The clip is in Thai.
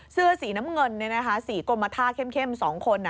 เสื้อสีน้ำเงินสีกรมท่าเข้ม๒คน